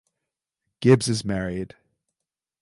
Gibbs is married.